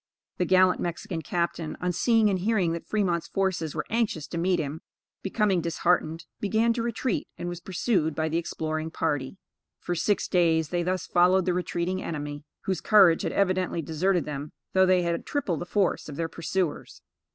The gallant Mexican captain, on seeing and hearing that Fremont's forces were anxious to meet him, becoming disheartened, began to retreat, and was pursued by the exploring party. For six days they thus followed the retreating enemy, whose courage had evidently deserted them though they had triple the force of their pursuers.